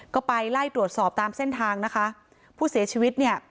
ก็ไปไล่ตรวจสอบตามเส้นทางนะคะผู้เสียชีวิตเนี่ย